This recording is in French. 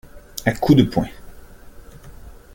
À coups de poing.